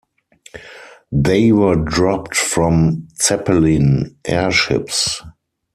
They were dropped from Zeppelin airships.